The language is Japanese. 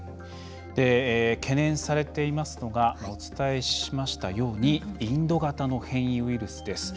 懸念されていますのがお伝えしましたようにインド型の変異ウイルスです。